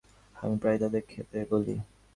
আমি প্রায় তাদের খেতে বলি।